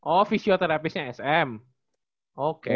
oh fisioterapisnya sm oke